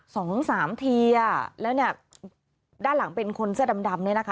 สองสามทีอ่ะแล้วเนี่ยด้านหลังเป็นคนเสื้อดำดำเนี่ยนะคะ